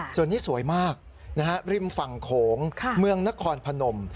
ส่วนนี้สวยมากริมฝั่งโขงเมืองนครพนม